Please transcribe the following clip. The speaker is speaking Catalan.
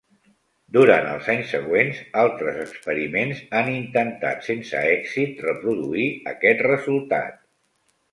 Durant els anys següents, altres experiments han intentat sense èxit reproduir aquest resultat.